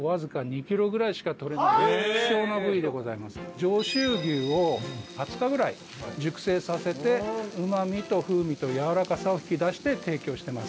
上州牛を２０日ぐらい熟成させてうまみと風味とやわらかさを引き出して提供してます。